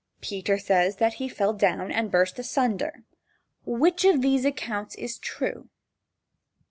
Peter says that he fell down and burst asunder. Which of these accounts is true?